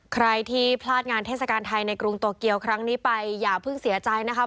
ใครที่พลาดงานเทศกาลไทยในกรุงโตเกียวครั้งนี้ไปอย่าเพิ่งเสียใจนะครับ